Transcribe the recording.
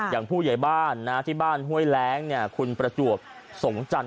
อย่างผู้ใหญ่บ้านที่บ้านห้วยแร้งคุณประจวบสงจันท